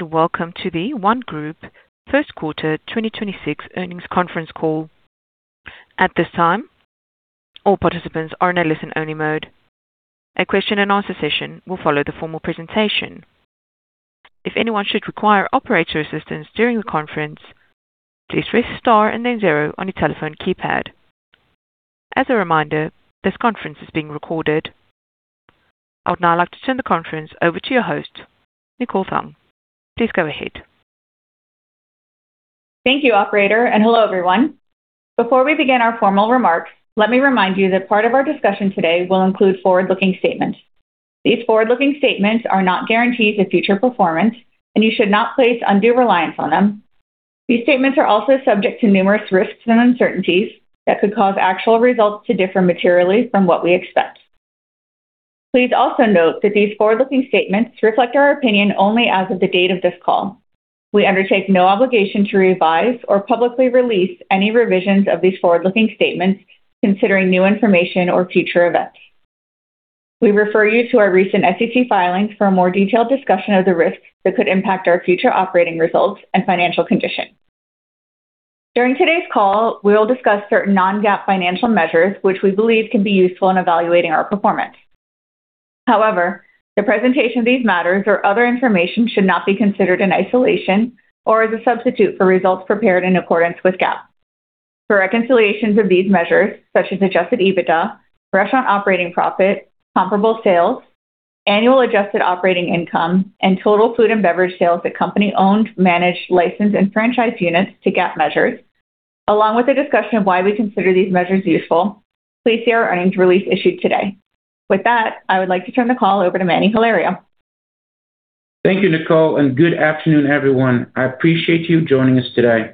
Welcome to The ONE Group first quarter 2026 earnings conference call. At this time, all participants are in a listen-only mode. A question and answer session will follow the formal presentation. If anyone should require operator assistance during the conference, please press star and then zero on your telephone keypad. As a reminder, this conference is being recorded. I would now like to turn the conference over to your host, Nicole Thaung. Please go ahead. Thank you, operator, and hello, everyone. Before we begin our formal remarks, let me remind you that part of our discussion today will include forward-looking statements. These forward-looking statements are not guarantees of future performance, and you should not place undue reliance on them. These statements are also subject to numerous risks and uncertainties that could cause actual results to differ materially from what we expect. Please also note that these forward-looking statements reflect our opinion only as of the date of this call. We undertake no obligation to revise or publicly release any revisions of these forward-looking statements considering new information or future events. We refer you to our recent SEC filings for a more detailed discussion of the risks that could impact our future operating results and financial condition. During today's call, we will discuss certain non-GAAP financial measures, which we believe can be useful in evaluating our performance. However, the presentation of these matters or other information should not be considered in isolation or as a substitute for results prepared in accordance with GAAP. For reconciliations of these measures, such as adjusted EBITDA, restaurant operating profit, Comparable Sales, annual adjusted operating income, and total food and beverage sales at company-owned, managed, licensed, and franchised units to GAAP measures, along with a discussion of why we consider these measures useful, please see our earnings release issued today. With that, I would like to turn the call over to Manny Hilario. Thank you, Nicole. Good afternoon, everyone. I appreciate you joining us today.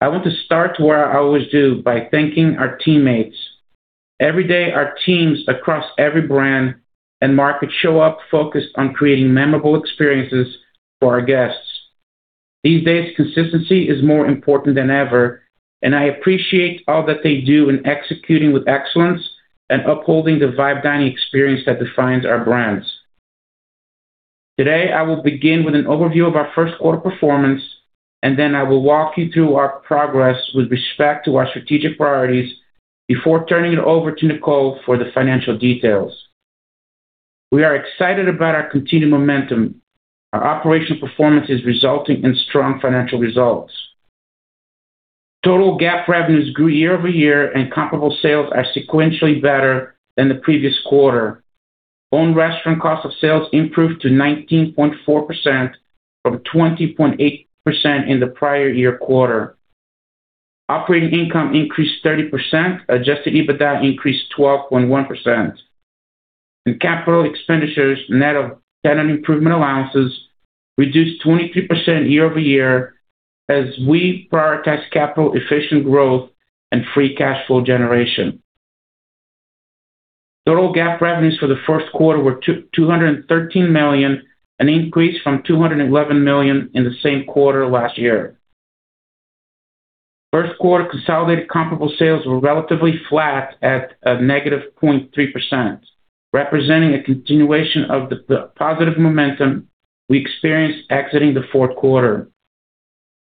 I want to start where I always do by thanking our teammates. Every day, our teams across every brand and market show up focused on creating memorable experiences for our guests. These days, consistency is more important than ever, and I appreciate all that they do in executing with excellence and upholding the vibe dining experience that defines our brands. Today, I will begin with an overview of our first quarter performance, and then I will walk you through our progress with respect to our strategic priorities before turning it over to Nicole for the financial details. We are excited about our continued momentum. Our operational performance is resulting in strong financial results. Total GAAP revenues grew year-over-year, and comparable sales are sequentially better than the previous quarter. Own restaurant cost of sales improved to 19.4% from 20.8% in the prior-year quarter. Operating income increased 30%. Adjusted EBITDA increased 12.1%. Capital expenditures, net of tenant improvement allowances, reduced 23% year-over-year as we prioritize capital efficient growth and free cash flow generation. Total GAAP revenues for the first quarter were $213 million, an increase from $211 million in the same quarter last year. First quarter consolidated comparable sales were relatively flat at a -0.3%, representing a continuation of the positive momentum we experienced exiting the fourth quarter.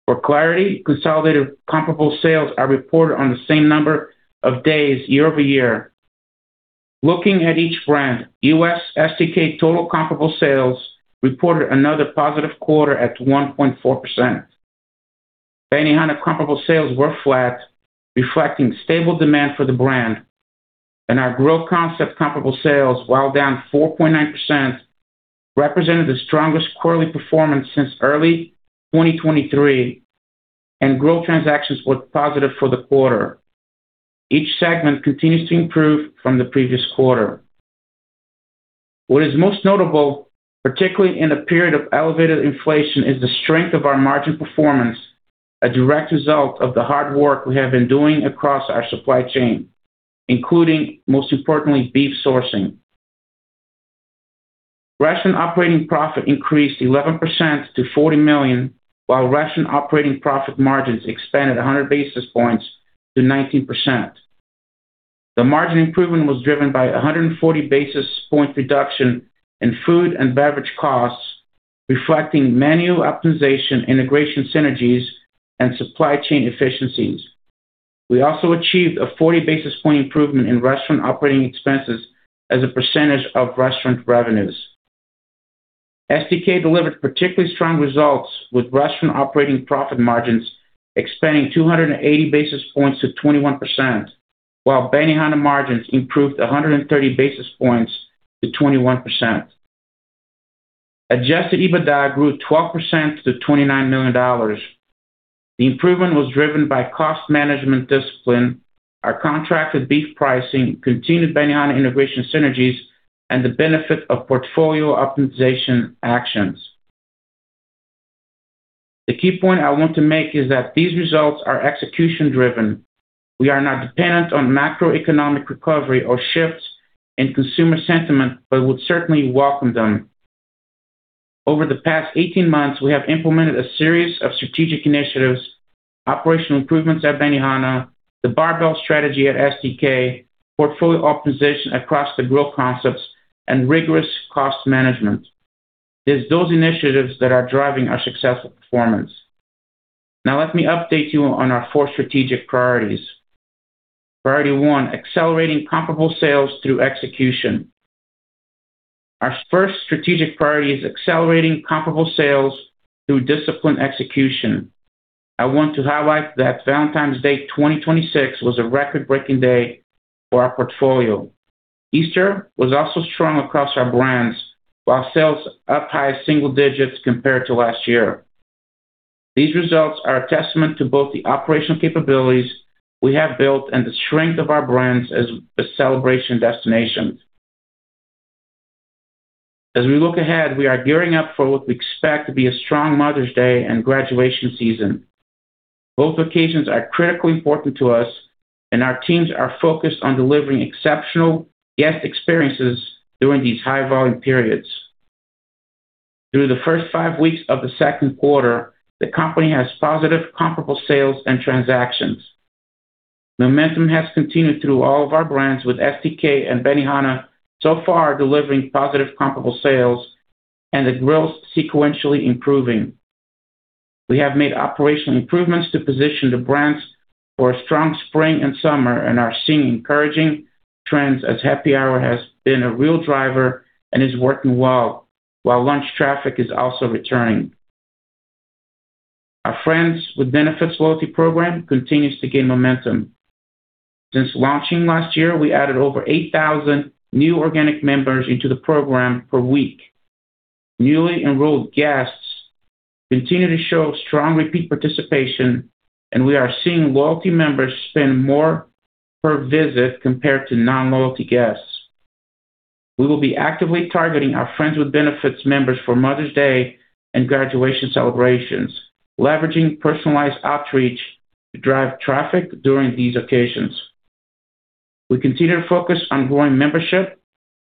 For clarity, consolidated comparable sales are reported on the same number of days year-over-year. Looking at each brand, U.S. STK total comparable sales reported another positive quarter at 1.4%. Benihana comparable sales were flat, reflecting stable demand for the brand. Our Grill concept comparable sales, while down 4.9%, represented the strongest quarterly performance since early 2023, and Grill transactions were positive for the quarter. Each segment continues to improve from the previous quarter. What is most notable, particularly in a period of elevated inflation, is the strength of our margin performance, a direct result of the hard work we have been doing across our supply chain, including, most importantly, beef sourcing. Restaurant operating profit increased 11% to $40 million, while restaurant operating profit margins expanded 100 basis points to 19%. The margin improvement was driven by a 140 basis point reduction in food and beverage costs, reflecting menu optimization, integration synergies, and supply chain efficiencies. We also achieved a 40 basis point improvement in restaurant operating expenses as a percentage of restaurant revenues. STK delivered particularly strong results, with restaurant operating profit margins expanding 280 basis points to 21%, while Benihana margins improved 130 basis points to 21%. Adjusted EBITDA grew 12% to $29 million. The improvement was driven by cost management discipline, our contracted beef pricing, continued Benihana integration synergies, and the benefit of portfolio optimization actions. The key point I want to make is that these results are execution driven. We are not dependent on macroeconomic recovery or shifts in consumer sentiment but would certainly welcome them. Over the past 18 months, we have implemented a series of strategic initiatives. Operational improvements at Benihana, the barbell strategy at STK, portfolio optimization across the grill concepts, and rigorous cost management. It's those initiatives that are driving our successful performance. Let me update you on our four strategic priorities. Priority one, accelerating comparable sales through execution. Our first strategic priority is accelerating comparable sales through disciplined execution. I want to highlight that Valentine's Day 2026 was a record-breaking day for our portfolio. Easter was also strong across our brands, with our sales up high single digits compared to last year. These results are a testament to both the operational capabilities we have built and the strength of our brands as a celebration destination. As we look ahead, we are gearing up for what we expect to be a strong Mother's Day and graduation season. Both occasions are critically important to us, and our teams are focused on delivering exceptional guest experiences during these high-volume periods. Through the first five weeks of the second quarter, the company has positive comparable sales and transactions. Momentum has continued through all of our brands, with STK and Benihana so far delivering positive comparable sales and the grills sequentially improving. We have made operational improvements to position the brands for a strong spring and summer and are seeing encouraging trends as happy hour has been a real driver and is working well, while lunch traffic is also returning. Our Friends with Benefits loyalty program continues to gain momentum. Since launching last year, we added over 8,000 new organic members into the program per week. Newly enrolled guests continue to show strong repeat participation, we are seeing loyalty members spend more per visit compared to non-loyalty guests. We will be actively targeting our Friends with Benefits members for Mother's Day and graduation celebrations, leveraging personalized outreach to drive traffic during these occasions. We continue to focus on growing membership,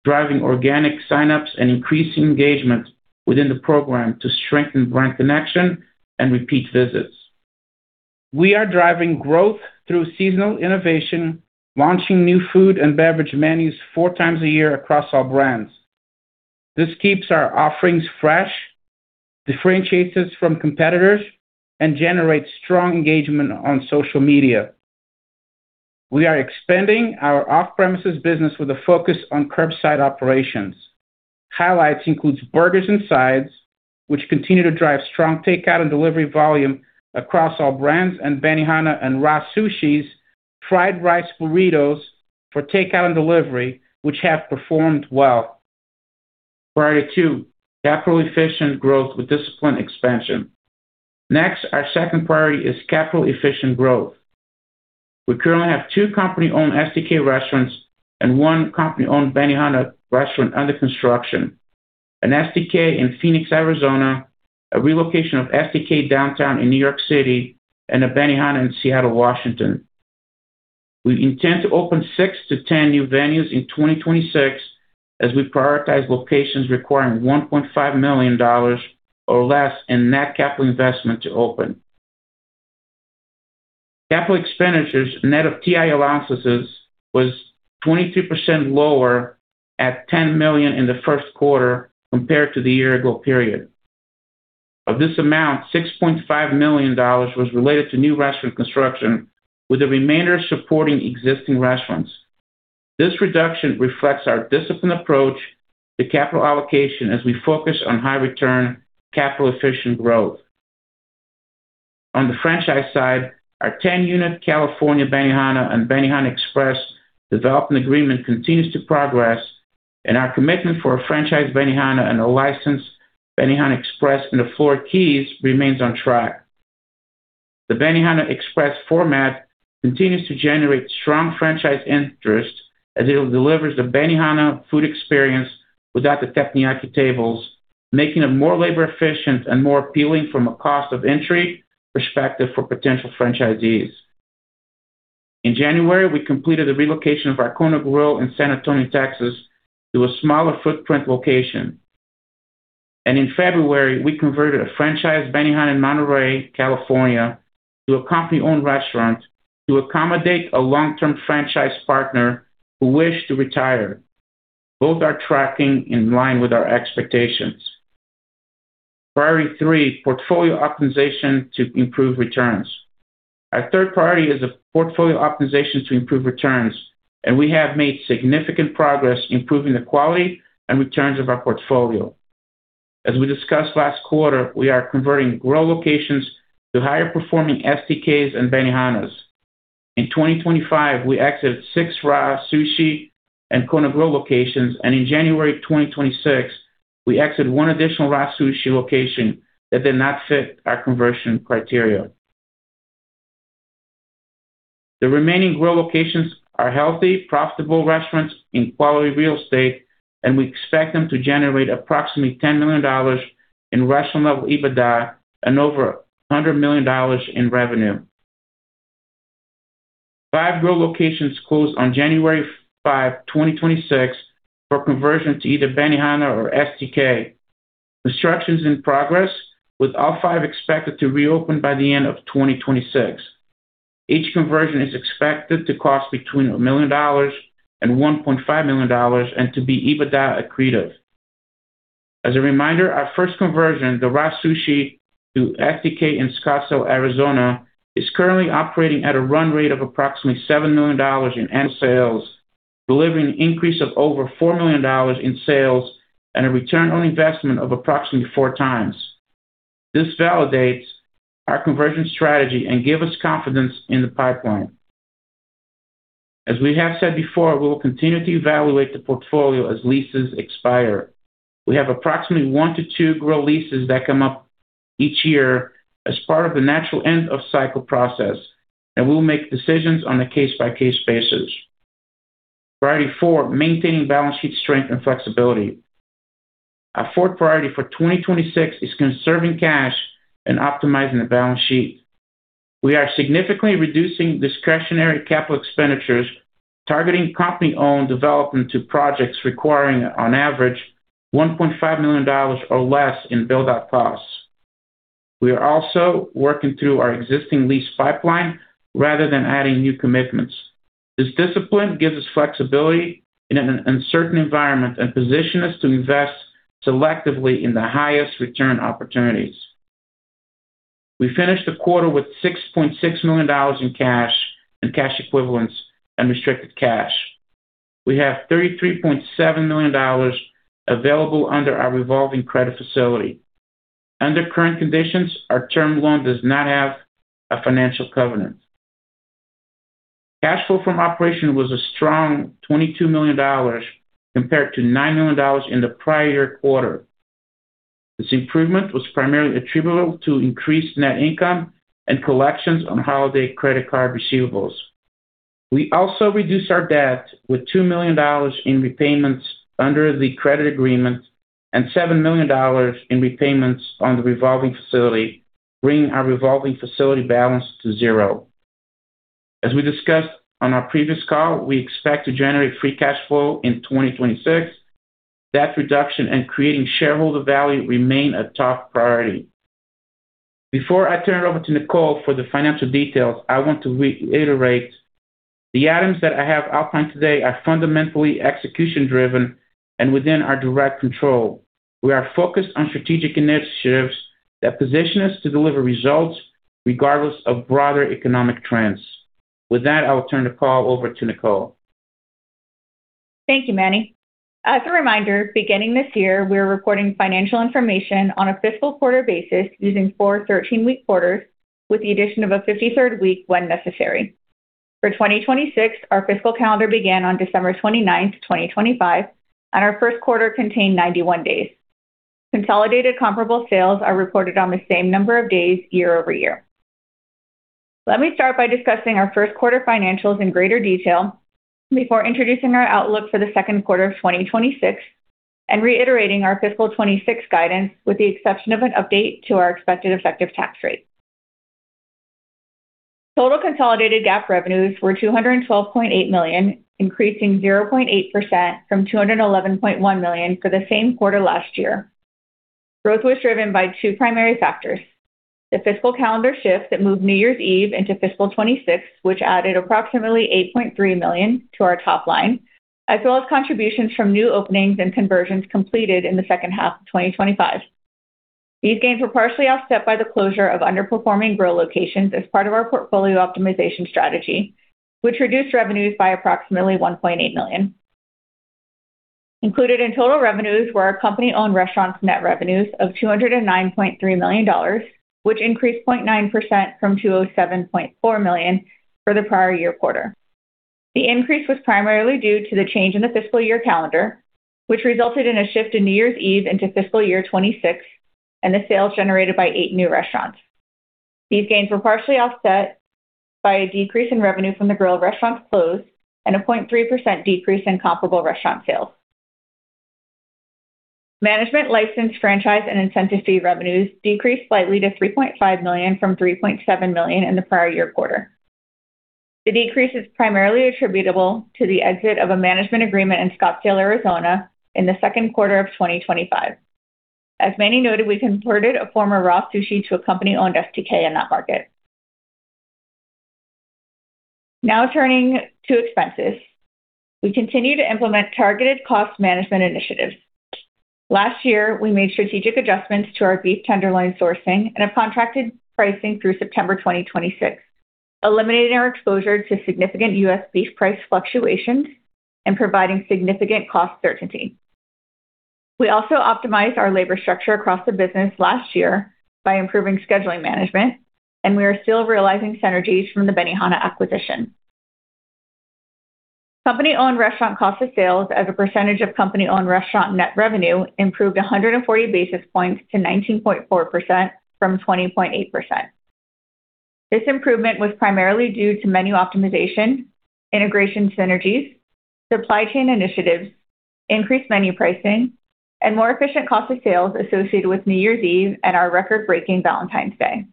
driving organic signups, and increasing engagement within the program to strengthen brand connection and repeat visits. We are driving growth through seasonal innovation, launching new food and beverage menus four times a year across all brands. This keeps our offerings fresh, differentiates us from competitors, and generates strong engagement on social media. We are expanding our off-premises business with a focus on curbside operations. Highlights includes burgers and sides, which continue to drive strong takeout and delivery volume across all brands, and Benihana and RA Sushi's fried rice burritos for takeout and delivery, which have performed well. Priority two, capital-efficient growth with disciplined expansion. Next, our second priority is capital-efficient growth. We currently have two company-owned STK restaurants and one company-owned Benihana restaurant under construction, an STK in Phoenix, Arizona, a relocation of STK downtown in New York City, and a Benihana in Seattle, Washington. We intend to open six to 10 new venues in 2026 as we prioritize locations requiring $1.5 million or less in net capital investment to open. Capital expenditures net of TI allowances was 22% lower at $10 million in the first quarter compared to the year-ago period. Of this amount, $6.5 million was related to new restaurant construction, with the remainder supporting existing restaurants. This reduction reflects our disciplined approach to capital allocation as we focus on high return, capital-efficient growth. On the franchise side, our 10-unit California Benihana and Benihana Express development agreement continues to progress, and our commitment for a franchise Benihana and a licensed Benihana Express in the Florida Keys remains on track. The Benihana Express format continues to generate strong franchise interest as it delivers the Benihana food experience without the teppanyaki tables, making it more labor efficient and more appealing from a cost of entry perspective for potential franchisees. In January, we completed the relocation of our Kona Grill in San Antonio, Texas, to a smaller footprint location. In February, we converted a franchise Benihana in Monterey, California, to a company-owned restaurant to accommodate a long-term franchise partner who wished to retire. Both are tracking in line with our expectations. Priority three, portfolio optimization to improve returns. Our third priority is a portfolio optimization to improve returns. We have made significant progress improving the quality and returns of our portfolio. As we discussed last quarter, we are converting grill locations to higher performing STKs and Benihanas. In 2025, we exited six RA Sushi and Kona Grill locations. In January 2026, we exited one additional RA Sushi location that did not fit our conversion criteria. The remaining grill locations are healthy, profitable restaurants in quality real estate. We expect them to generate approximately $10 million in restaurant-level EBITDA and over $100 million in revenue. Five Grill locations closed on January 5, 2026 for conversion to either Benihana or STK. Construction is in progress, with all five expected to reopen by the end of 2026. Each conversion is expected to cost between $1 million and $1.5 million and to be EBITDA accretive. As a reminder, our first conversion, the RA Sushi to STK in Scottsdale, Arizona, is currently operating at a run rate of approximately $7 million in annual sales, delivering an increase of over $4 million in sales and a return on investment of approximately four times. This validates our conversion strategy and give us confidence in the pipeline. As we have said before, we will continue to evaluate the portfolio as leases expire. We have approximately one to two Grill leases that come up each year as part of the natural end-of-cycle process, and we'll make decisions on a case-by-case basis. Priority four: maintaining balance sheet strength and flexibility. Our fourth priority for 2026 is conserving cash and optimizing the balance sheet. We are significantly reducing discretionary capital expenditures, targeting company-owned development to projects requiring, on average, $1.5 million or less in build-out costs. We are also working through our existing lease pipeline rather than adding new commitments. This discipline gives us flexibility in an uncertain environment and position us to invest selectively in the highest return opportunities. We finished the quarter with $6.6 million in cash and cash equivalents and restricted cash. We have $33.7 million available under our revolving credit facility. Under current conditions, our term loan does not have a financial covenant. Cash flow from operation was a strong $22 million compared to $9 million in the prior quarter. This improvement was primarily attributable to increased net income and collections on holiday credit card receivables. We also reduced our debt with $2 million in repayments under the credit agreement and $7 million in repayments on the revolving facility, bringing our revolving facility balance to zero. As we discussed on our previous call, we expect to generate free cash flow in 2026. Debt reduction and creating shareholder value remain a top priority. Before I turn it over to Nicole for the financial details, I want to reiterate the items that I have outlined today are fundamentally execution-driven and within our direct control. We are focused on strategic initiatives that position us to deliver results regardless of broader economic trends. With that, I will turn the call over to Nicole. Thank you, Manny. As a reminder, beginning this year, we're reporting financial information on a fiscal quarter basis using four 13-week quarters with the addition of a 53rd week when necessary. For 2026, our fiscal calendar began on December 29, 2025, and our first quarter contained 91 days. Consolidated comparable sales are reported on the same number of days year-over-year. Let me start by discussing our first quarter financials in greater detail before introducing our outlook for the second quarter of 2026 and reiterating our fiscal 2026 guidance, with the exception of an update to our expected effective tax rate. Total consolidated GAAP revenues were $212.8 million, increasing 0.8% from $211.1 million for the same quarter last year. Growth was driven by two primary factors: the fiscal calendar shift that moved New Year's Eve into fiscal 2026, which added approximately $8.3 million to our top line, as well as contributions from new openings and conversions completed in the second half of 2025. These gains were partially offset by the closure of underperforming Kona Grill locations as part of our portfolio optimization strategy, which reduced revenues by approximately $1.8 million. Included in total revenues were our company-owned restaurants net revenues of $209.3 million, which increased 0.9% from $207.4 million for the prior year quarter. The increase was primarily due to the change in the fiscal year calendar, which resulted in a shift in New Year's Eve into fiscal year 2026 and the sales generated by eight new restaurants. These gains were partially offset by a decrease in revenue from the Grill restaurants closed and a 0.3% decrease in comparable restaurant sales. Management license, franchise, and incentive fee revenues decreased slightly to $3.5 million from $3.7 million in the prior year quarter. The decrease is primarily attributable to the exit of a management agreement in Scottsdale, Arizona in the second quarter of 2025. As Manny noted, we converted a former RA Sushi to a company-owned STK in that market. Turning to expenses. We continue to implement targeted cost management initiatives. Last year, we made strategic adjustments to our beef tenderloin sourcing and have contracted pricing through September 2026, eliminating our exposure to significant U.S. beef price fluctuations and providing significant cost certainty. We also optimized our labor structure across the business last year by improving scheduling management, and we are still realizing synergies from the Benihana acquisition. Company-owned restaurant cost of sales as a percentage of company-owned restaurant net revenue improved 140 basis points to 19.4% from 20.8%. This improvement was primarily due to menu optimization, integration synergies, supply chain initiatives, increased menu pricing, and more efficient cost of sales associated with New Year's Eve and our record-breaking Valentine's Day.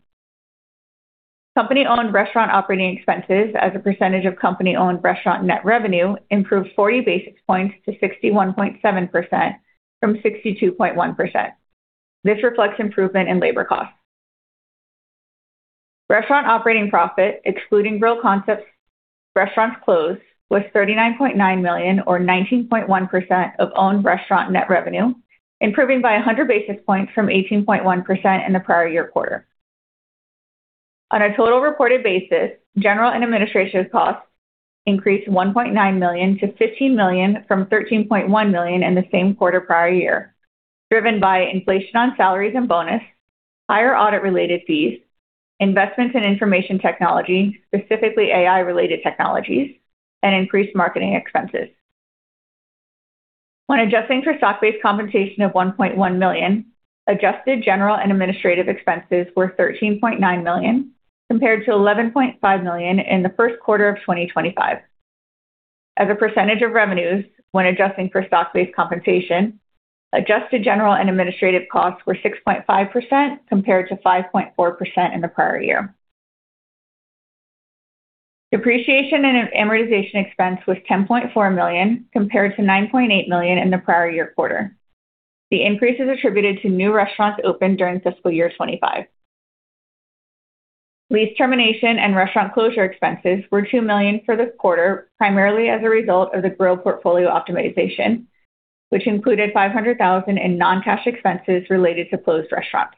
Company-owned restaurant operating expenses as a percentage of company-owned restaurant net revenue improved 40 basis points to 61.7% from 62.1%. This reflects improvement in labor costs. Restaurant operating profit, excluding Grill concepts restaurants closed, was $39.9 million or 19.1% of owned restaurant net revenue, improving by 100 basis points from 18.1% in the prior year quarter. On a total reported basis, general and administration costs increased $1.9 million to $15 million from $13.1 million in the same quarter prior year, driven by inflation on salaries and bonus, higher audit-related fees, investments in information technology, specifically AI-related technologies, and increased marketing expenses. When adjusting for stock-based compensation of $1.1 million, Adjusted general and administrative expenses were $13.9 million, compared to $11.5 million in the first quarter of 2025. As a percentage of revenues when adjusting for stock-based compensation, Adjusted general and administrative costs were 6.5% compared to 5.4% in the prior year. Depreciation and amortization expense was $10.4 million, compared to $9.8 million in the prior year quarter. The increase is attributed to new restaurants opened during fiscal year 2025. Lease termination and restaurant closure expenses were $2 million for this quarter, primarily as a result of the Grill portfolio optimization, which included $500,000 in non-cash expenses related to closed restaurants.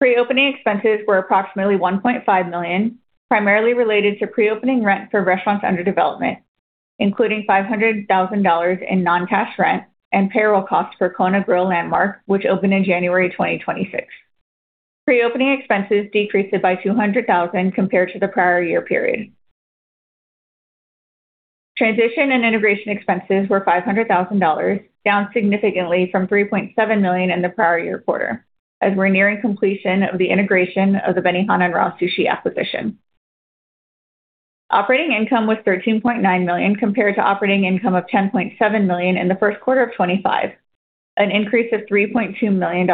Pre-opening expenses were approximately $1.5 million, primarily related to pre-opening rent for restaurants under development, including $500,000 in non-cash rent and payroll costs for Kona Grill Landmark, which opened in January 2026. Pre-opening expenses decreased by $200,000 compared to the prior year period. Transition and integration expenses were $500,000, down significantly from $3.7 million in the prior year quarter, as we're nearing completion of the integration of the Benihana and RA Sushi acquisition. Operating income was $13.9 million compared to operating income of $10.7 million in the first quarter of 2025, an increase of $3.2 million,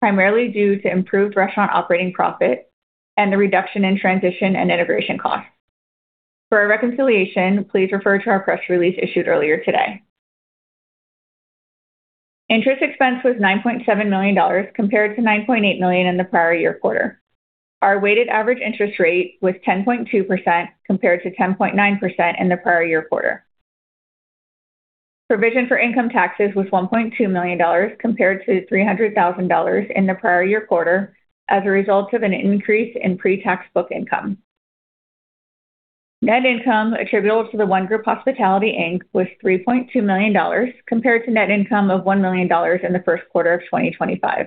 primarily due to improved restaurant operating profit and the reduction in transition and integration costs. For a reconciliation, please refer to our press release issued earlier today. Interest expense was $9.7 million compared to $9.8 million in the prior year quarter. Our weighted average interest rate was 10.2% compared to 10.9% in the prior year quarter. Provision for income taxes was $1.2 million compared to $300,000 in the prior year quarter as a result of an increase in pre-tax book income. Net income attributable to The ONE Group Hospitality, Inc. was $3.2 million compared to net income of $1 million in the first quarter of 2025.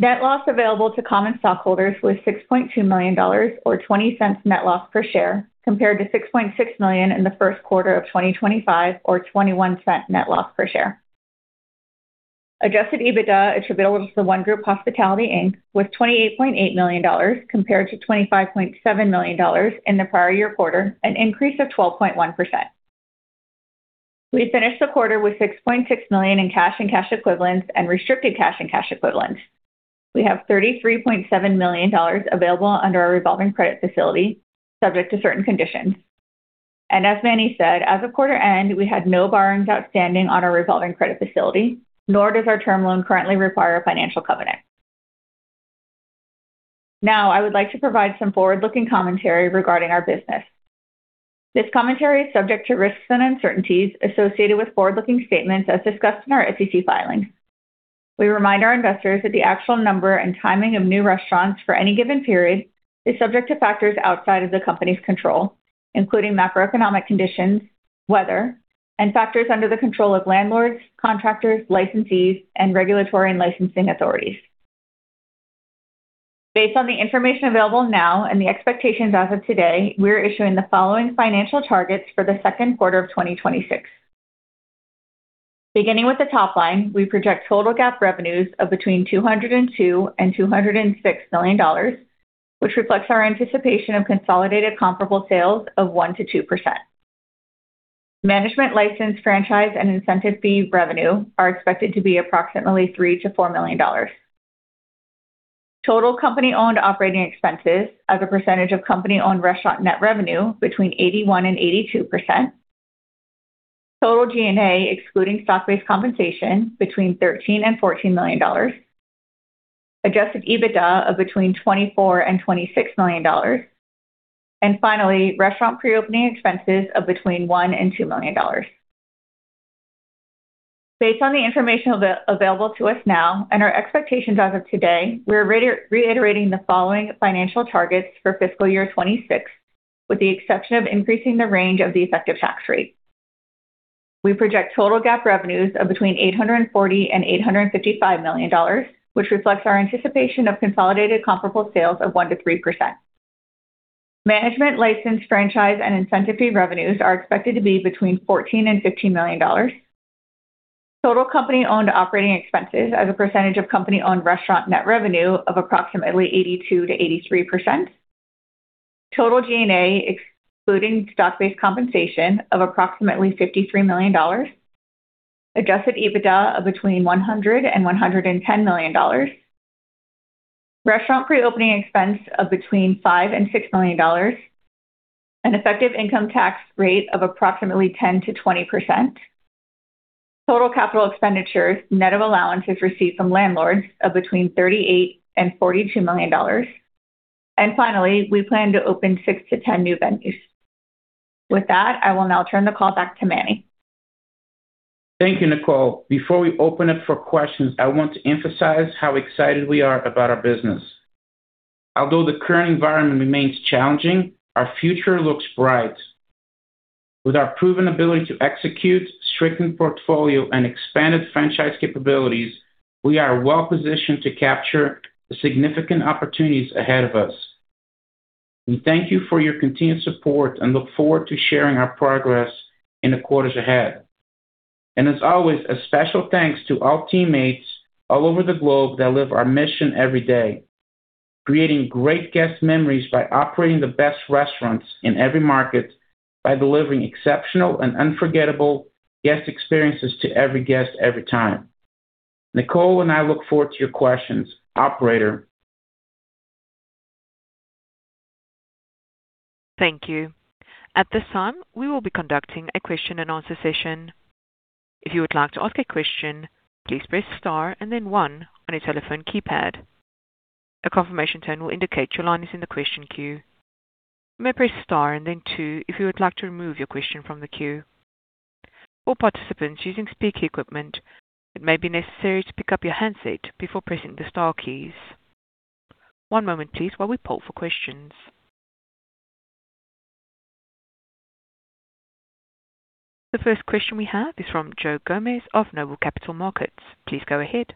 Net loss available to common stockholders was $6.2 million or $0.20 net loss per share, compared to $6.6 million in the first quarter of 2025 or $0.21 net loss per share. Adjusted EBITDA attributable to The ONE Group Hospitality, Inc. was $28.8 million compared to $25.7 million in the prior year quarter, an increase of 12.1%. We finished the quarter with $6.6 million in cash and cash equivalents and restricted cash and cash equivalents. We have $33.7 million available under our revolving credit facility subject to certain conditions. As Manny said, as of quarter end, we had no borrowings outstanding on our revolving credit facility, nor does our term loan currently require a financial covenant. Now, I would like to provide some forward-looking commentary regarding our business. This commentary is subject to risks and uncertainties associated with forward-looking statements as discussed in our SEC filings. We remind our investors that the actual number and timing of new restaurants for any given period is subject to factors outside of the company's control, including macroeconomic conditions, weather, and factors under the control of landlords, contractors, licensees, and regulatory and licensing authorities. Based on the information available now and the expectations as of today, we are issuing the following financial targets for the second quarter of 2026. Beginning with the top line, we project total GAAP revenues of between $202 million and $206 million, which reflects our anticipation of consolidated comparable sales of 1%-2%. Management license, franchise, and incentive fee revenue are expected to be approximately $3 million-$4 million. Total company-owned operating expenses as a percentage of company-owned restaurant net revenue between 81% and 82%. Total G&A excluding stock-based compensation between $13 million and $14 million. Adjusted EBITDA of between $24 million and $26 million. Finally, restaurant pre-opening expenses of between $1 million and $2 million. Based on the information available to us now and our expectations as of today, we are reiterating the following financial targets for fiscal year 2026, with the exception of increasing the range of the effective tax rate. We project total GAAP revenues of between $840 million and $855 million, which reflects our anticipation of consolidated comparable sales of 1%-3%. Management license, franchise, and incentive fee revenues are expected to be between $14 million and $15 million. Total company-owned operating expenses as a percentage of company-owned restaurant net revenue of approximately 82%-83%. Total G&A, excluding stock-based compensation, of approximately $53 million. Adjusted EBITDA of between $100 million and $110 million. Restaurant pre-opening expense of between $5 million and $6 million. An effective income tax rate of approximately 10%-20%. Total capital expenditures, net of allowances received from landlords, of between $38 million and $42 million. Finally, we plan to open six to 10 new venues. With that, I will now turn the call back to Manny. Thank you, Nicole. Before we open up for questions, I want to emphasize how excited we are about our business. Although the current environment remains challenging, our future looks bright. With our proven ability to execute, strengthened portfolio, and expanded franchise capabilities, we are well positioned to capture the significant opportunities ahead of us. We thank you for your continued support and look forward to sharing our progress in the quarters ahead. As always, a special thanks to all teammates all over the globe that live our mission every day, creating great guest memories by operating the best restaurants in every market by delivering exceptional and unforgettable guest experiences to every guest every time. Nicole and I look forward to your questions. Operator. Thank you. At this time, we will be conducting a question and answer session. If you would like to ask a question, please press star and then one on your telephone keypad. A confirmation tone will indicate your line is in the question queue. You may press star and then two if you would like to remove your question from the queue. For participants using speaker equipment, it may be necessary to pick up your handset before pressing the star keys. One moment please while we poll for questions. The first question we have is from Joe Gomes of Noble Capital Markets. Please go ahead.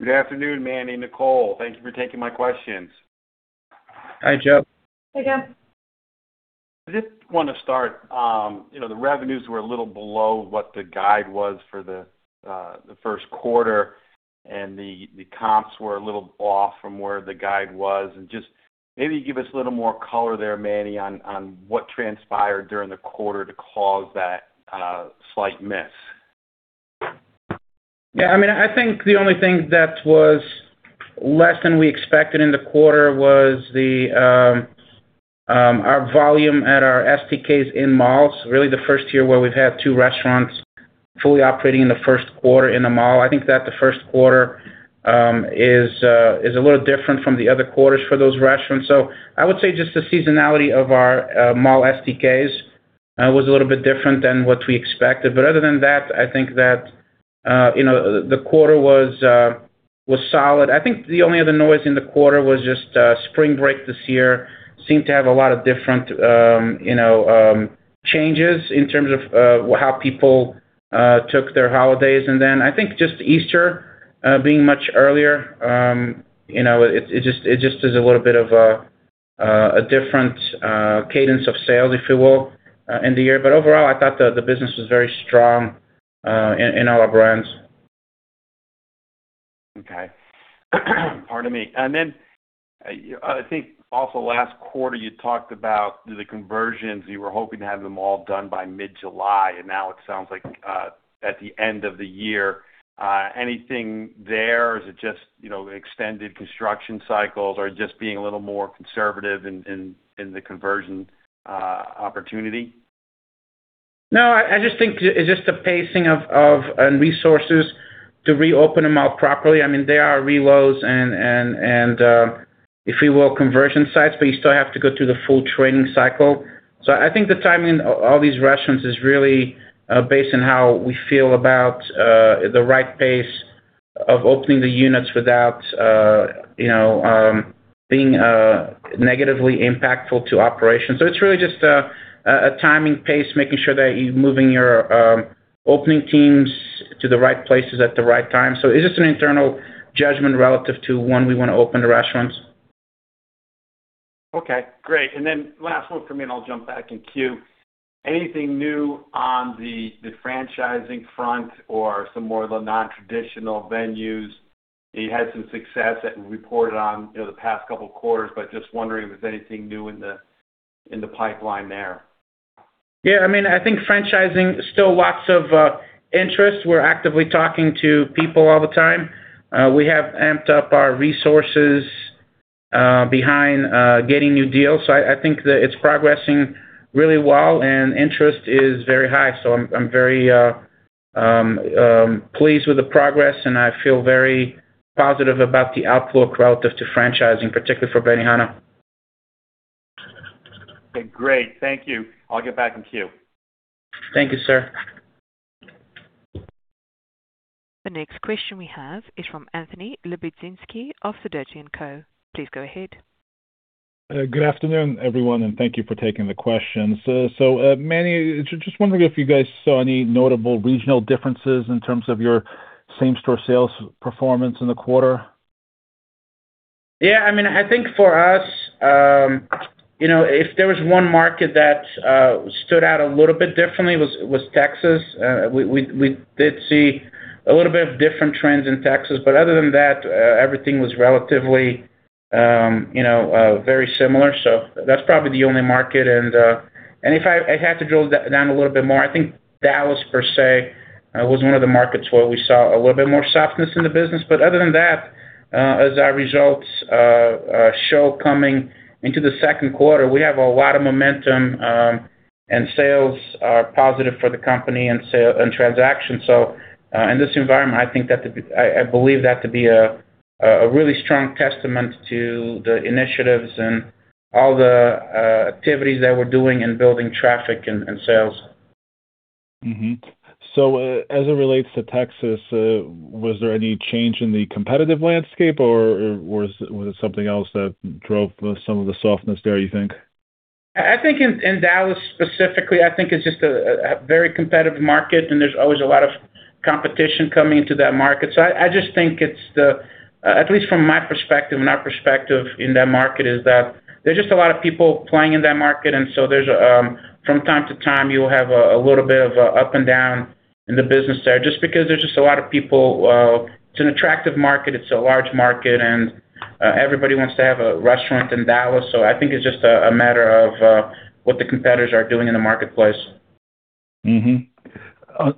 Good afternoon, Manny, Nicole. Thank you for taking my questions. Hi, Joe. Hey, Joe. I just want to start, you know, the revenues were a little below what the guide was for the first quarter, and the comps were a little off from where the guide was. Just maybe give us a little more color there, Manny, on what transpired during the quarter to cause that slight miss. Yeah, I mean, I think the only thing that was less than we expected in the quarter was our volume at our STKs in malls. Really the first year where we've had two restaurants fully operating in the first quarter in the mall. I think that the first quarter is a little different from the other quarters for those restaurants. I would say just the seasonality of our mall STKs was a little bit different than what we expected. Other than that, I think that, you know, the quarter was solid. I think the only other noise in the quarter was just spring break this year seemed to have a lot of different, you know, changes in terms of how people took their holidays. I think just Easter, being much earlier, you know, it just is a little bit of a different cadence of sales, if you will, in the year. Overall, I thought the business was very strong in all our brands. Okay. Pardon me. I think also last quarter you talked about the conversions. You were hoping to have them all done by mid-July, and now it sounds like at the end of the year. Anything there? Is it just, you know, extended construction cycles or just being a little more conservative in the conversion opportunity? No, I just think it's just the pacing of, and resources to reopen them up properly. I mean, they are reloads and, if you will, conversion sites, but you still have to go through the full training cycle. I think the timing of all these restaurants is really based on how we feel about the right pace of opening the units without, you know, being negatively impactful to operations. It's really just a timing pace, making sure that you're moving your opening teams to the right places at the right time. It's just an internal judgment relative to when we want to open the restaurants. Okay, great. Last one from me, and I'll jump back in queue. Anything new on the franchising front or some more of the nontraditional venues? You had some success that we reported on, you know, the past couple of quarters, but just wondering if there's anything new in the pipeline there? Yeah, I mean, I think franchising, still lots of interest. We're actively talking to people all the time. We have amped up our resources behind getting new deals. I think that it's progressing really well and interest is very high. I'm very pleased with the progress, and I feel very positive about the outlook relative to franchising, particularly for Benihana. Okay, great. Thank you. I'll get back in queue. Thank you, sir. The next question we have is from Anthony Lebiedzinski of Sidoti & Co. Please go ahead. Good afternoon, everyone, and thank you for taking the questions. Manny, just wondering if you guys saw any notable regional differences in terms of your same-store sales performance in the quarter? Yeah, I mean, I think for us, you know, if there was one market that stood out a little bit differently was Texas. We did see a little bit of different trends in Texas, but other than that, everything was relatively, you know, very similar. That's probably the only market and if I had to drill down a little bit more, I think Dallas per se was one of the markets where we saw a little bit more softness in the business. Other than that, as our results show coming into the second quarter, we have a lot of momentum, and sales are positive for the company and sales and transactions. In this environment, I believe that to be a really strong testament to the initiatives and all the activities that we're doing in building traffic and sales. As it relates to Texas, was there any change in the competitive landscape or was it something else that drove some of the softness there you think? I think in Dallas specifically, I think it's just a very competitive market and there's always a lot of competition coming into that market. I just think it's the at least from my perspective and our perspective in that market is that there's just a lot of people playing in that market and there's from time to time you'll have a little bit of a up and down in the business there just because there's just a lot of people. It's an attractive market, it's a large market and everybody wants to have a restaurant in Dallas. I think it's just a matter of what the competitors are doing in the marketplace. Mm-hmm.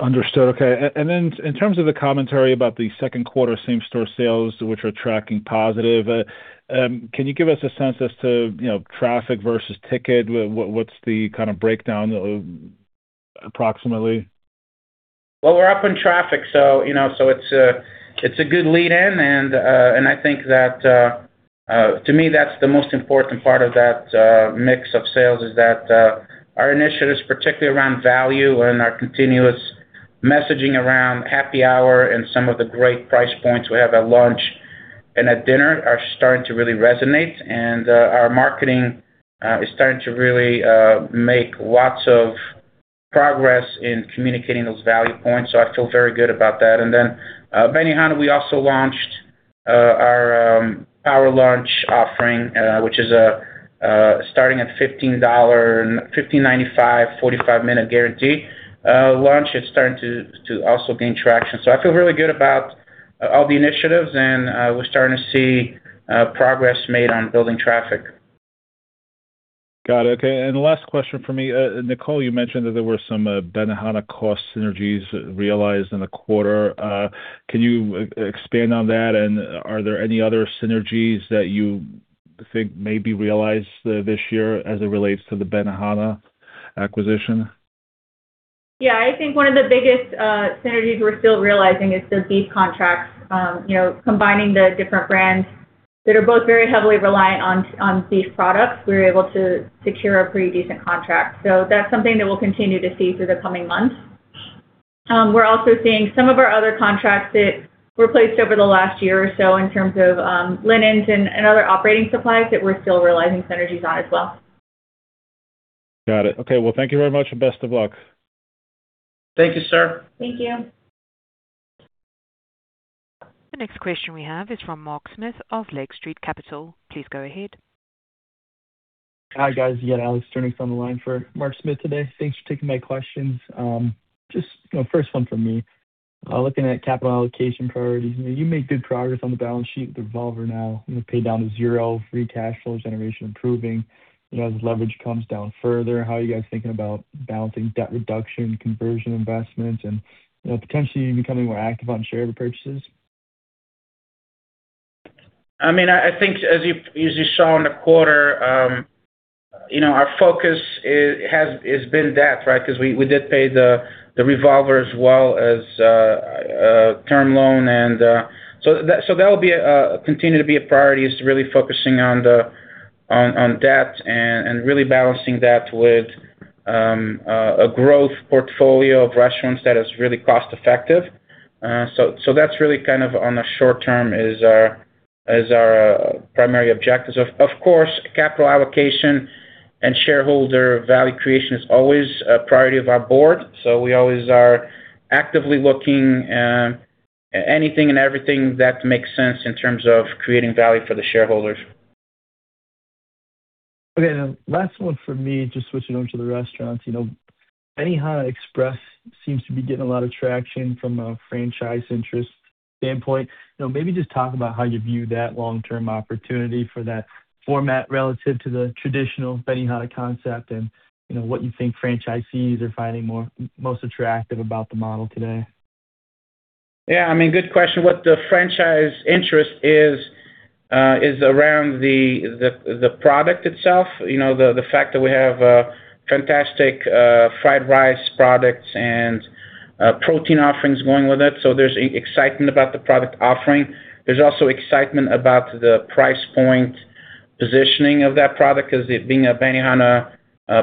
Understood. Okay. In terms of the commentary about the second quarter same-store sales which are tracking positive, can you give us a sense as to, you know, traffic versus ticket? What's the kind of breakdown, approximately? Well, we're up in traffic, you know, it's a good lead in. I think that to me that's the most important part of that mix of sales is that our initiatives, particularly around value and our continuous messaging around happy hour and some of the great price points we have at lunch and at dinner are starting to really resonate. Our marketing is starting to really make lots of progress in communicating those value points. I feel very good about that. Benihana we also launched our Power Lunch offering, which is starting at $15, $15.95, 45-minute guarantee. Lunch is starting to also gain traction. I feel really good about all the initiatives and we're starting to see progress made on building traffic. Got it. Okay. Last question from me. Nicole, you mentioned that there were some Benihana cost synergies realized in the quarter. Can you expand on that and are there any other synergies that you think may be realized this year as it relates to the Benihana acquisition? Yeah. I think one of the biggest synergies we're still realizing is the beef contracts. You know, combining the different brands that are both very heavily reliant on beef products, we were able to secure a pretty decent contract. That's something that we'll continue to see through the coming months. We're also seeing some of our other contracts that were placed over the last year or so in terms of linens and other operating supplies that we're still realizing synergies on as well. Got it. Okay. Well, thank you very much and best of luck. Thank you, sir. Thank you. The next question we have is from Mark Smith of Lake Street Capital. Please go ahead. Hi, guys. You got Alex Sturnieks on the line for Mark Smith today. Thanks for taking my questions. Just, you know, first one from me. Looking at capital allocation priorities, you know, you made good progress on the balance sheet with the revolver now, you know, paid down to zero, free cash flow generation improving. You know, as leverage comes down further, how are you guys thinking about balancing debt reduction, conversion investments, and, you know, potentially becoming more active on share repurchases? I mean, I think as you saw in the quarter, you know, our focus has been debt, right? Because we did pay the revolver as well as term loan. That'll be continue to be a priority is really focusing on debt and really balancing that with a growth portfolio of restaurants that is really cost effective. That's really kind of on the short term is our primary objective. Of course, capital allocation and shareholder value creation is always a priority of our board, so we always are actively looking at anything and everything that makes sense in terms of creating value for the shareholders. Okay. Last one from me, just switching over to the restaurants. You know, Benihana Express seems to be getting a lot of traction from a franchise interest standpoint. You know, maybe just talk about how you view that long-term opportunity for that format relative to the traditional Benihana concept and, you know, what you think franchisees are finding most attractive about the model today. Yeah, I mean, good question. What the franchise interest is around the product itself. You know, the fact that we have fantastic fried rice products and protein offerings going with it. There's excitement about the product offering. There's also excitement about the price point positioning of that product 'cause it being a Benihana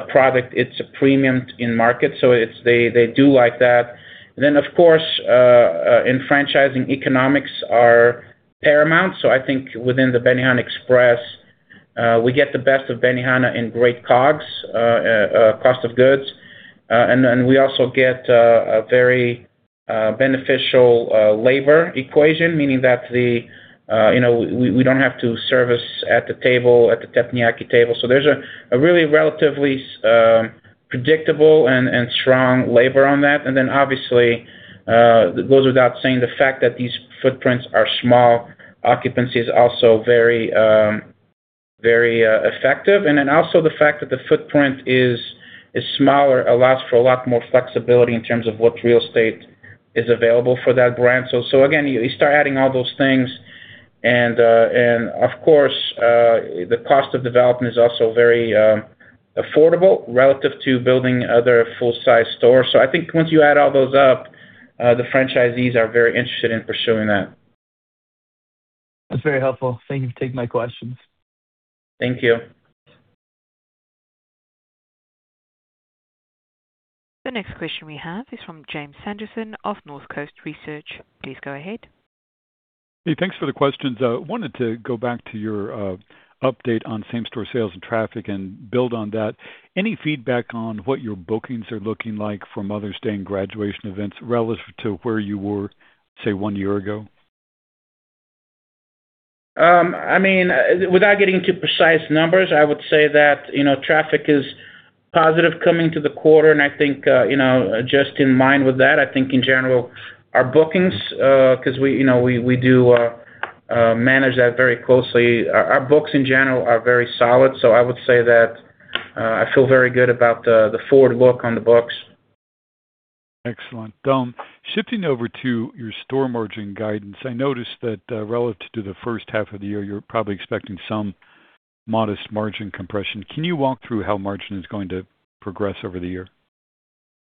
product, it's a premium in market, so they do like that. Of course, in franchising economics are paramount. I think within the Benihana Express, we get the best of Benihana in great COGS, cost of goods. We also get a very beneficial labor equation, meaning that we don't have to service at the table, at the teppanyaki table. There's a really relatively predictable and strong labor on that. Obviously, it goes without saying the fact that these footprints are small, occupancy is also very, very effective. Also the fact that the footprint is smaller allows for a lot more flexibility in terms of what real estate is available for that brand. Again, you start adding all those things and of course, the cost of development is also very affordable relative to building other full-size stores. I think once you add all those up, the franchisees are very interested in pursuing that. That's very helpful. Thank you for taking my questions. Thank you. The next question we have is from Jim Sanderson of Northcoast Research. Please go ahead. Hey, thanks for the questions. I wanted to go back to your update on same-store sales and traffic and build on that. Any feedback on what your bookings are looking like for Mother's Day and graduation events relative to where you were, say, one year ago? I mean, without getting to precise numbers, I would say that, you know, traffic is positive coming to the quarter. I think, you know, just in mind with that, I think in general, our bookings, 'cause we, you know, we do manage that very closely. Our books in general are very solid. I would say that I feel very good about the forward look on the books. Excellent. Shifting over to your store margin guidance, I noticed that relative to the first half of the year, you're probably expecting some modest margin compression. Can you walk through how margin is going to progress over the year?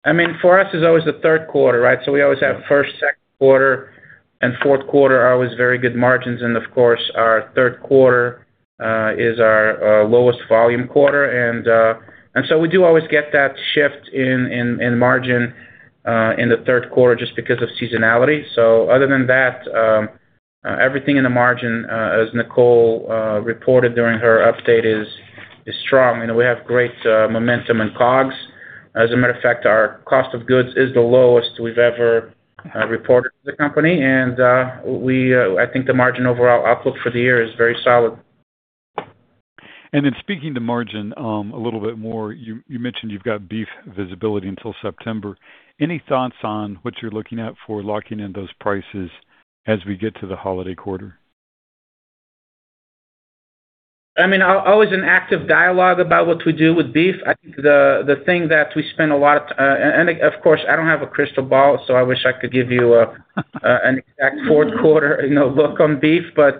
I mean, for us, it's always the third quarter, right? We always have first, second quarter, and fourth quarter are always very good margins. Of course, our third quarter is our lowest volume quarter. We do always get that shift in margin in the third quarter just because of seasonality. Other than that, everything in the margin, as Nicole reported during her update is strong. You know, we have great momentum and COGS. As a matter of fact, our cost of goods is the lowest we've ever reported for the company. We, I think the margin overall outlook for the year is very solid. Speaking to margin, a little bit more, you mentioned you've got beef visibility until September. Any thoughts on what you're looking at for locking in those prices as we get to the holiday quarter? I mean, always an active dialogue about what to do with beef. I think the thing that we spend a lot of, and of course, I don't have a crystal ball, so I wish I could give you an exact fourth quarter, you know, look on beef. Yeah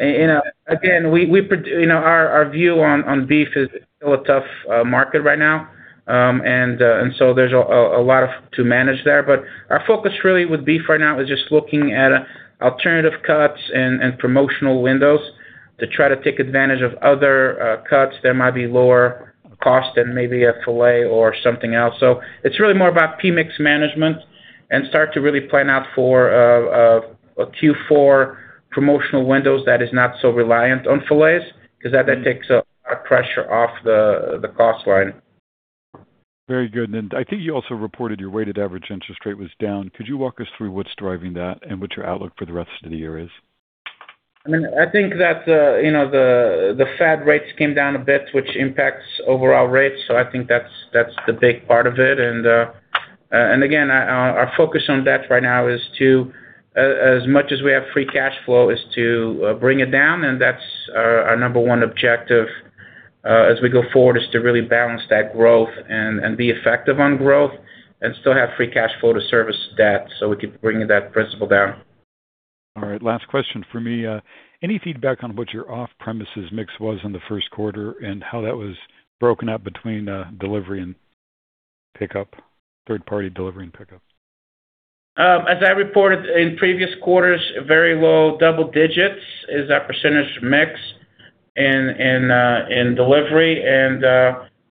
You know, again, we, you know, our view on beef is still a tough market right now. There's a lot of to manage there. Our focus really with beef right now is just looking at alternative cuts and promotional windows to try to take advantage of other cuts that might be lower cost than maybe a filet or something else. It's really more about PMIX management and start to really plan out for a Q4 promotional windows that is not so reliant on filets, because that then takes a pressure off the cost line. Very good. I think you also reported your weighted average interest rate was down. Could you walk us through what's driving that and what your outlook for the rest of the year is? I mean, I think that, you know, the Fed rates came down a bit, which impacts overall rates. I think that's the big part of it. Again, our focus on debt right now is to as much as we have free cash flow, is to bring it down. That's our number one objective as we go forward, is to really balance that growth and be effective on growth and still have free cash flow to service debt, we keep bringing that principal down. All right. Last question from me. Any feedback on what your off-premises mix was in the first quarter and how that was broken up between delivery and pickup, third party delivery and pickup? As I reported in previous quarters, very low double digits is our percentage mix in delivery.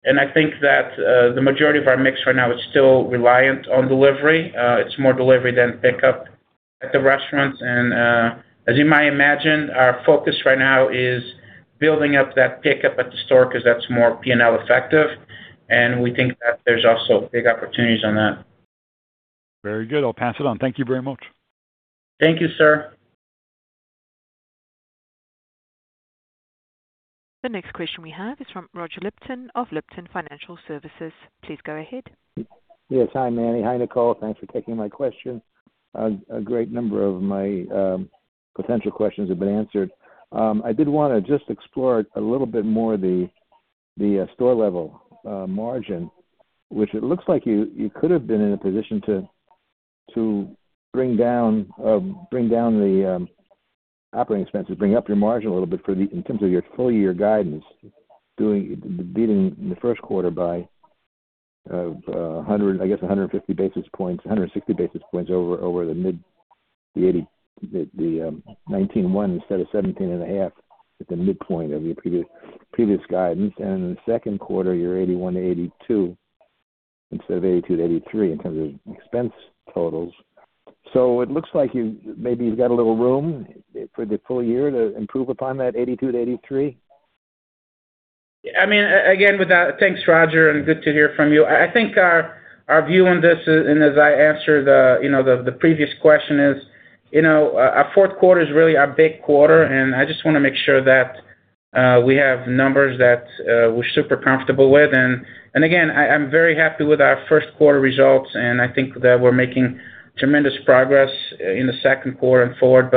I think that the majority of our mix right now is still reliant on delivery. It's more delivery than pickup at the restaurants. As you might imagine, our focus right now is building up that pickup at the store because that's more P&L effective, and we think that there's also big opportunities on that. Very good. I'll pass it on. Thank you very much. Thank you, sir. The next question we have is from Roger Lipton of Lipton Financial Services. Please go ahead. Yes. Hi, Manny. Hi, Nicole. Thanks for taking my question. A great number of my potential questions have been answered. I did wanna just explore a little bit more the store level margin, which it looks like you could have been in a position to bring down operating expenses, bring up your margin a little bit in terms of your full year guidance, beating the first quarter by 100, I guess 150 basis points, 160 basis points over the mid-80, the 19.1% instead of 17.5% At the midpoint of your previous guidance. In the second quarter, you're 81%-82% instead of 82-83% in terms of expense totals. It looks like you've got a little room for the full year to improve upon that 82%-83%. I mean, Thanks, Roger, and good to hear from you. I think our view on this is and as I answered the, you know, the previous question is, you know, our fourth quarter is really our big quarter, and I just wanna make sure that we have numbers that we're super comfortable with. Again, I'm very happy with our first quarter results, and I think that we're making tremendous progress in the second quarter and forward.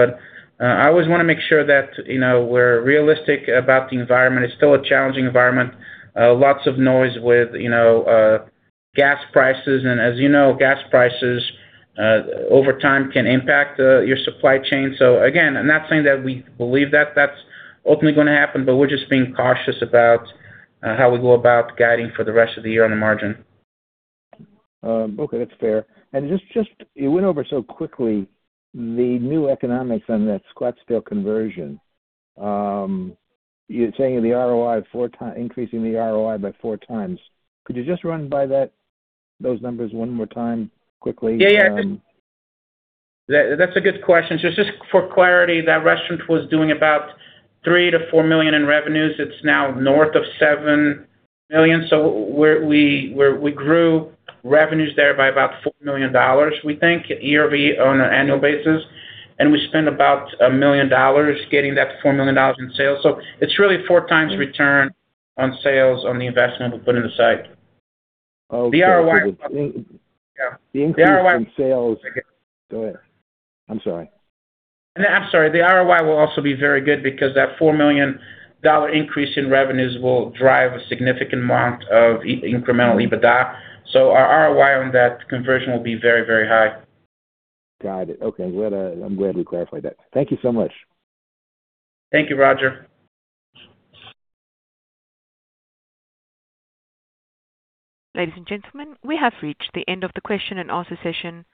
I always wanna make sure that, you know, we're realistic about the environment. It's still a challenging environment. Lots of noise with, you know, gas prices. As you know, gas prices over time can impact your supply chain. Again, I'm not saying that we believe that that's ultimately gonna happen, but we're just being cautious about how we go about guiding for the rest of the year on the margin. Okay, that's fair. Just you went over so quickly the new economics on that Scottsdale conversion. You're saying the ROI 4x, increasing the ROI by 4x. Could you just run by that, those numbers one more time quickly? Yeah, yeah. That's a good question. Just for clarity, that restaurant was doing about $3 million-$4 million in revenues. It's now north of $7 million. We grew revenues there by about $4 million, we think, year-over-year on an annual basis, and we spent about $1 million getting that $4 million in sales. It's really 4x return on sales on the investment we put in the site. Okay. The ROI- The increase in sales. The ROI. Go ahead. I'm sorry. I'm sorry. The ROI will also be very good because that $4 million increase in revenues will drive a significant amount of incremental EBITDA. Our ROI on that conversion will be very, very high. Got it. Okay. I'm glad we clarified that. Thank you so much. Thank you, Roger. Ladies and gentlemen, we have reached the end of the question and answer session.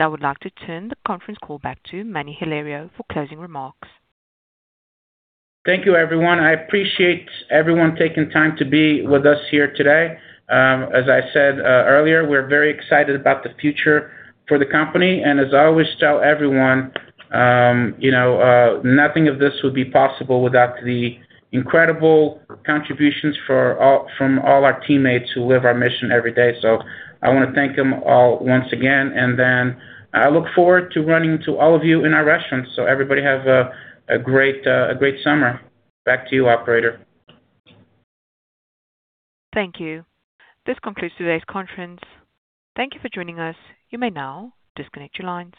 I would like to turn the conference call back to Manny Hilario for closing remarks. Thank you, everyone. I appreciate everyone taking time to be with us here today. As I said earlier, we're very excited about the future for the company. As I always tell everyone, you know, nothing of this would be possible without the incredible contributions from all our teammates who live our mission every day. I wanna thank them all once again, and then I look forward to running into all of you in our restaurants. Everybody have a great summer. Back to you, operator. Thank you. This concludes today's conference. Thank you for joining us. You may now disconnect your lines.